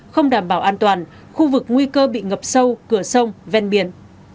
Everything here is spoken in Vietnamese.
không đảm bảo an toàn khu vực nguy cơ bị ngập sâu cửa sông ven biển